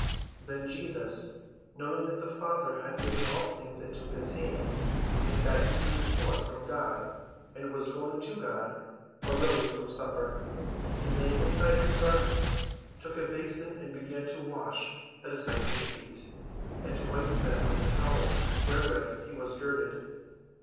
Then Jesus, knowing that the Father had given all things into his hands, and that he came forth from God, and was going to God, arose from supper, and laying aside his garments, took a basin and began to wash the disciples' feet, and to wipe them with the towel wherewith he was girded.